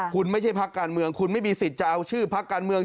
คุณไม่ใช่พักการเมืองคุณไม่มีสิทธิ์จะเอาชื่อพักการเมือง